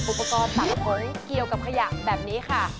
อุปกรณ์ตัดผลเกี่ยวกับขยะแบบนี้ค่ะ